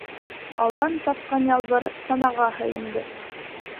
Алдан сапҡан Ялбыр санаға һыйынды.